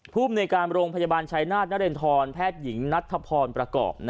ภูมิในการโรงพยาบาลชายนาฏนเรนทรแพทย์หญิงนัทธพรประกอบ